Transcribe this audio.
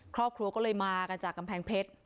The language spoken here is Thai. ครอบครัวก็เลยมากันจากกำแพงเพชร